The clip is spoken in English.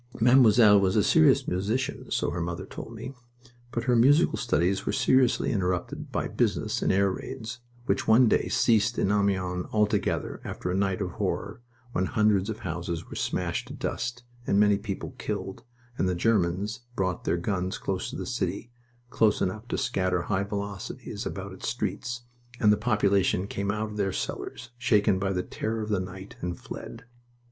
Mademoiselle was a serious musician, so her mother told me, but her musical studies were seriously interrupted by business and air raids, which one day ceased in Amiens altogether after a night of horror, when hundreds of houses were smashed to dust and many people killed, and the Germans brought their guns close to the city close enough to scatter high velocities about its streets and the population came up out of their cellars, shaken by the terror of the night, and fled.